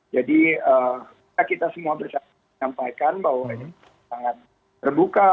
jadi kita semua bersama menyampaikan bahwa ini sangat terbuka